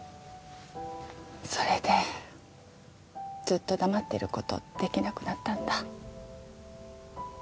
それでずっと黙ってることできなくなったんだ？